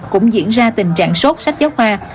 cũng diễn ra tình trạng sốt sách giáo khoa